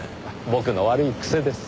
僕の悪い癖です。